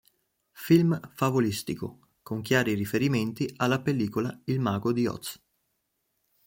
Film favolistico, con chiari riferimenti alla pellicola "Il mago di Oz".